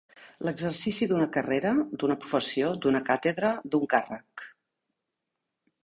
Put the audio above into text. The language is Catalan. L'exercici d'una carrera, d'una professió, d'una càtedra, d'un càrrec.